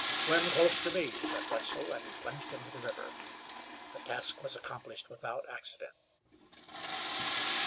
"Swim close to me," said Wetzel, and he plunged into the river. The task was accomplished without accident.